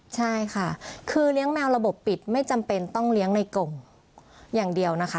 ใช่ค่ะคือเลี้ยงแมวระบบปิดไม่จำเป็นต้องเลี้ยงในกงอย่างเดียวนะคะ